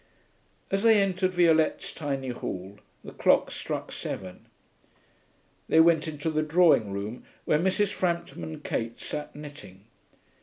As they entered Violette's tiny hall, the clock struck seven. They went into the drawing room, where Mrs. Frampton and Kate sat knitting.